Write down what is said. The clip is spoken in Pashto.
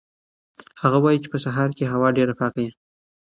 هغه وایي چې په سهار کې هوا ډېره پاکه وي.